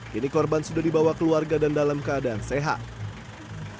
kini korban sudah dibawa keluarga dan dalam keadaan sehat